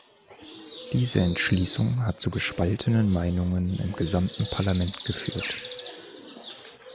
Diese Entschließung hat zu gespaltenen Meinungen im gesamten Parlament geführt.